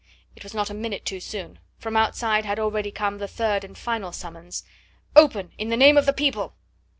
It was not a minute too soon. From outside had already come the third and final summons: "Open, in the name of the people!"